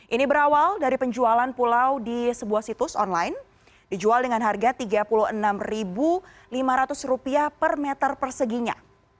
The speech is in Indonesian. ini berawal dari penjualan pulau di sebuah situs online dijual dengan harga rp tiga puluh enam lima ratus per meter perseginya